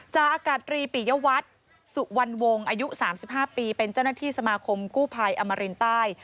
อากาศตรีปิยวัตรสุวรรณวงศ์อายุ๓๕ปีเป็นเจ้าหน้าที่สมาคมกู้ภัยอมรินใต้